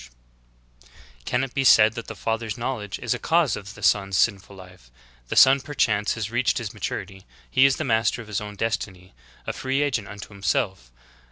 20 THE GREAT APOSTASY. Can it be said that the father's foreknowledge is a cause of the son's sinful life? The son, perchance, has reached his maturity; he is the master of his own destiny; a free agent unto himself.